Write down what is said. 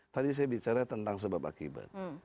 tadi saya bicara tentang sebab akibat